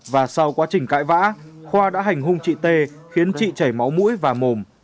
và sau quá trình cãi vã khoa đã hành hung chị t khiến chị chảy máu mũi và mồm